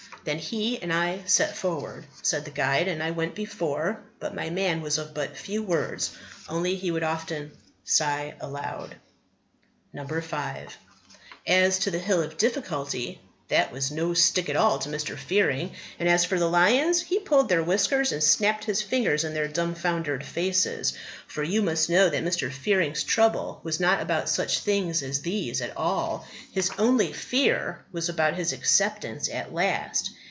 "Then he and I set forward," said the guide, "and I went before; but my man was of but few words, only he would often sigh aloud." 5. As to the Hill Difficulty, that was no stick at all to Mr. Fearing; and as for the lions, he pulled their whiskers and snapped his fingers in their dumfoundered faces. For you must know that Mr. Fearing's trouble was not about such things as these at all; his only fear was about his acceptance at last.